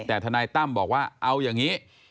แต่ทนายตั้มบอกว่าเอาอย่างนี้